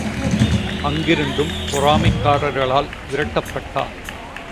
அங்கிருந்தும் பொறாமைக்காரர்களால் விரட்டப்பட்டார்!